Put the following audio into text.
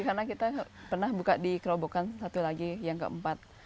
karena kita pernah buka di kerobokan satu lagi yang keempat